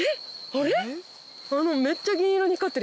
あれ？